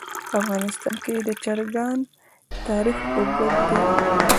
په افغانستان کې د چرګان تاریخ اوږد دی.